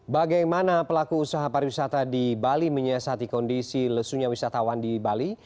bagaimana pelaku usaha pariwisata di bali menyiasati kondisi lesunya wisatawan di bali